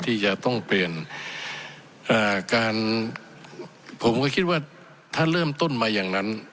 ที่จะต้องเปลี่ยนอ่าการผมก็คิดว่าถ้าเริ่มต้นมาอย่างนั้น